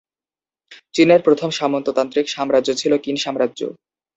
চীনের প্রথম সামন্ততান্ত্রিক সাম্রাজ্য ছিল কিন সাম্রাজ্য।